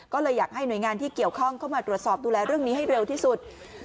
ก็เลยอยากให้หน่วยงานที่เกี่ยวข้องเข้ามาตรวจสอบดูแลเรื่องนี้ให้เร็วที่สุด